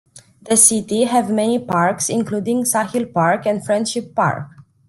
The city have many parks, including Sahil Park and Friendship Park.